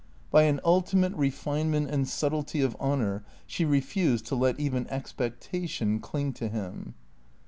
By an ultimate refinement and subtlety of honour she refused to let even expectation cling to him.